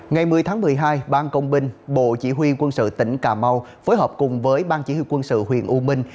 ngày một mươi tháng một mươi hai ban công binh bộ chỉ huy quân sự tỉnh cà mau phối hợp cùng với ban chỉ huy quân sự huyện u minh